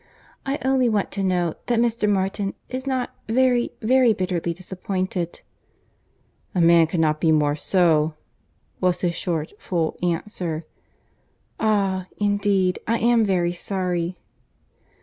I only want to know that Mr. Martin is not very, very bitterly disappointed." "A man cannot be more so," was his short, full answer. "Ah!—Indeed I am very sorry.